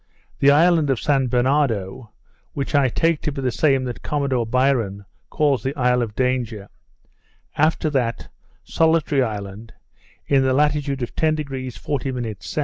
the island of St Bernardo, which I take to be the same that Commodore Byron calls the Island of Danger; after that, Solitary Island, in the latitude of 10° 40' S.